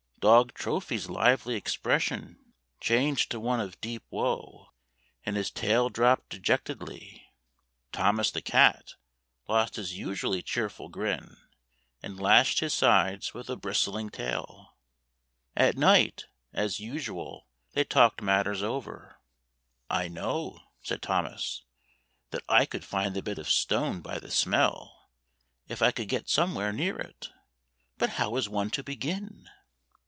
'' Dog Trophy's lively expression changed to one of deep woe, and his tail dropped de jectedly. Thomas the cat lost his usually cheerful grin, and lashed his sides with a bristling tail. At night, as usual, they talked matters " I know," said Thomas, " that I [ 57 ] over. FAVORITE FAIRY TALES RETOLD could find the bit of a stone by the smell, if I could get somewhere near it. But how is one to begin?